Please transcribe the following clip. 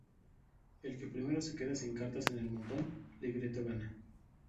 El que primero se queda sin cartas en el montón-ligretto gana.